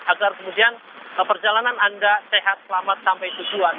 agar kemudian perjalanan anda sehat selamat sampai tujuan